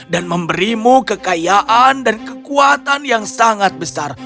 dan memberimu kekayaan dan kekuatan yang sangat besar